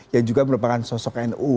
yang juga merupakan sosok nu